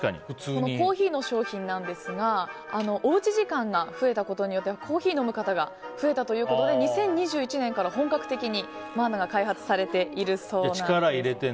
コーヒーの商品なんですがおうち時間が増えたことによってコーヒーを飲む方が増えたということで２０２１年から本格的にマーナが開発されているそうなんです。